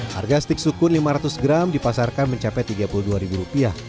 harga stik sukun lima ratus gram dipasarkan mencapai tiga puluh dua ribu rupiah